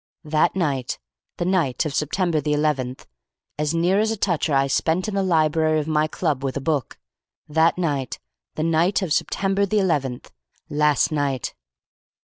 That night, the night of September the eleventh, I as near as a toucher spent in the library of my club with a book. That night! The night of September the eleventh. Last night!